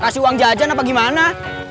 kasih uang jajan apa gimana